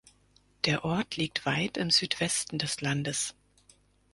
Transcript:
Der Ort liegt weit im Südwesten des Landes.